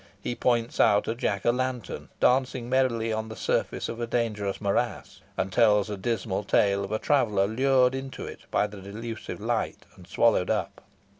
He points out a jack o' lantern dancing merrily on the surface of a dangerous morass, and tells a dismal tale of a traveller lured into it by the delusive light, and swallowed up.